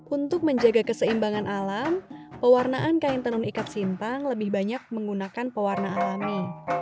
untuk menjaga keseimbangan alam pewarnaan kain tenun ikat sintang lebih banyak menggunakan pewarna alami